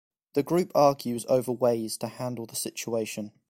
The group argues over ways to handle the situation.